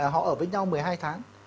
họ ở với nhau một mươi hai tháng